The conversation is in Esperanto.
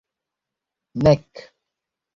nek